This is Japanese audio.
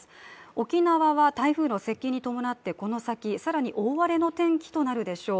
沖縄は台風の接近に伴ってこの先、更に大荒れの天気となるでしょう。